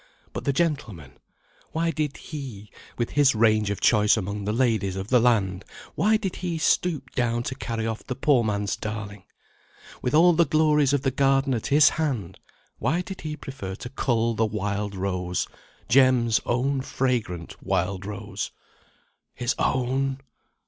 But the gentleman; why did he, with his range of choice among the ladies of the land, why did he stoop down to carry off the poor man's darling? With all the glories of the garden at his hand, why did he prefer to cull the wild rose, Jem's own fragrant wild rose? His _own!